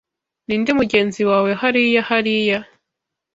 Ninde mugenzi wawe hariya hariya?